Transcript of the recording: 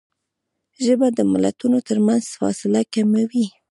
ژبه د ملتونو ترمنځ فاصله کموي